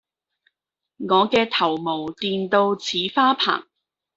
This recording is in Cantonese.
我嘅頭毛電到似花棚